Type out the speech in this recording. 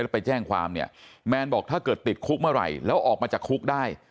แล้วไปแจ้งความเนี่ยแมนบอกถ้าเกิดติดคุกเมื่อไหร่แล้วออกมาจากคุกได้